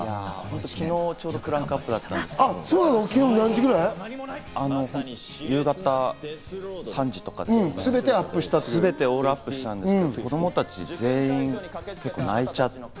昨日ちょうどクランクアップだったんですけど、夕方、３時とかですかね、全てオールアップしたんですけど、子供たち全員泣いちゃって。